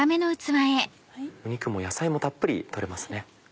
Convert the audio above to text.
肉も野菜もたっぷり取れますね。